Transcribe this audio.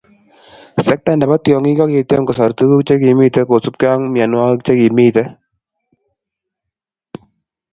Sekta nebo tyongíik kokityem kosor tuguuk chemikimitei kosupgei ako mionwogiik chekimitei.